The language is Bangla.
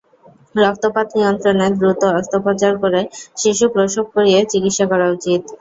রক্তপাত নিয়ন্ত্রণে দ্রুত অস্ত্রোপচার করে শিশু প্রসব করিয়ে চিকিৎসা করা উচিত।